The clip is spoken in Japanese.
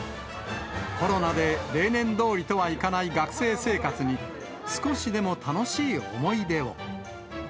コロナで例年どおりとはいかない学生生活に、少しでも楽しい思い出を。